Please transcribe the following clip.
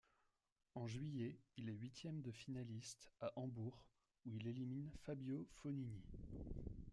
En juillet, il est huitième de finaliste à Hambourg où il élimine Fabio Fognini.